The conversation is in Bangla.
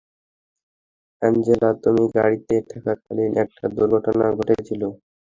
অ্যাঞ্জেলা, তুমি গাড়িতে থাকাকালীন একটা দূর্ঘটনা ঘটেছিল।